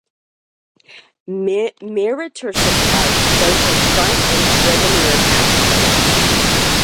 Meritor supplies both the front and driven rear axles.